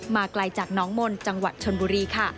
ไกลจากน้องมนต์จังหวัดชนบุรีค่ะ